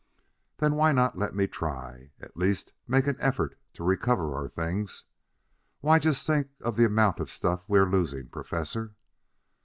"Then why not let me try at least make an effort to recover our things? Why, just think of the amount of stuff we are losing, Professor."